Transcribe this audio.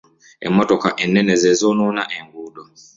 Emmotoka ennene ze zoonoona enguudo.